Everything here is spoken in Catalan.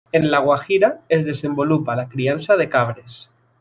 En la Guajira es desenvolupa la criança de cabres.